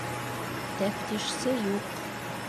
Тәфтишсе юҡ.